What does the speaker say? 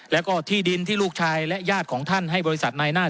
แล้วก็ที่ดินที่ลูกชายและญาติของท่านให้บริษัทนายหน้า